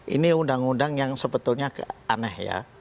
ini undang undang yang sebetulnya aneh ya